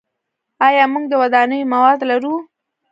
آیا موږ د ودانیو مواد لرو؟